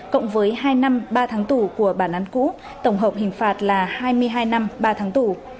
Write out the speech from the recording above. cộng với hai năm ba tháng tù của bản án cũ tổng hợp hình phạt là hai mươi hai năm ba tháng tù